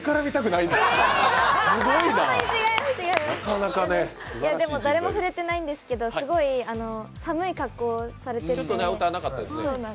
いや、でも誰も触れてないんですけどすごい寒い格好されてて。